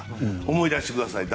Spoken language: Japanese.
思い出してください。